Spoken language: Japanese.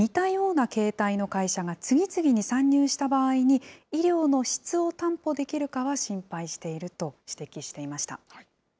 一方で、似たような形態の会社が次々に参入した場合に、医療の質を担保できるかは心配していると指摘していました。